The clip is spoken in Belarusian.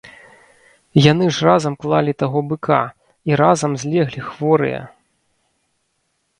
Яны ж разам клалі таго быка і разам злеглі хворыя!